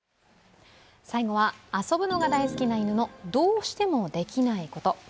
最後は遊ぶのが大好きな犬のどうしても、できないこと。